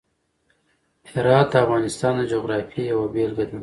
هرات د افغانستان د جغرافیې یوه بېلګه ده.